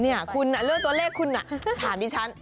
นี่คุณเลือกตัวเลขคุณถามดิฉัน